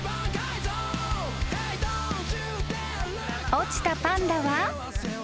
［落ちたパンダは］